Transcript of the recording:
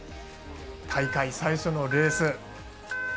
大会最初のレース。